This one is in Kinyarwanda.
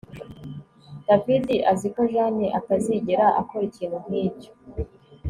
David azi ko Jane atazigera akora ikintu nkicyo